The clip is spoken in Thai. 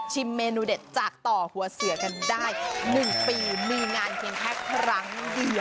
เมนูเด็ดจากต่อหัวเสือกันได้๑ปีมีงานเพียงแค่ครั้งเดียว